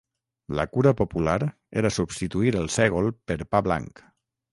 La cura popular era substituir el sègol per pa blanc.